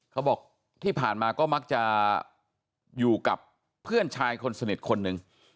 เขาบอกที่ผ่านมาก็มักจะอยู่กับเพื่อนชายคนสนิทคนหนึ่ง